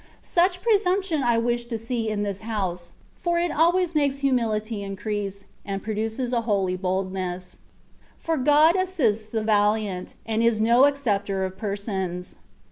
Such presumption I wish to see in this house, for it always makes humility increase, and produces a holy boldness; for God assists the valiant, and is no acceptor of persons.